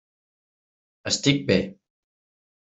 Estic bé.